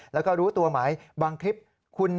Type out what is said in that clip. แล้วก็รู้ตัวหมายบางคลิปคุณ